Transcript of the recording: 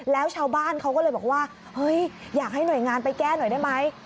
แล้วชาวบ้านเขาก็เลยบอกว่าเฮ้ยอยากให้หน่วยงานไปแก้หน่อยได้ไหม